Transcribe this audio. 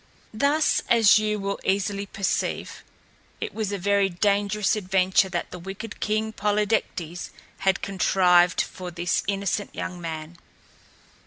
Thus, as you will easily perceive, it was a very dangerous adventure that the wicked King Polydectes had contrived for this innocent young man.